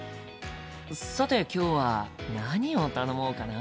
さて今日は何を頼もうかな？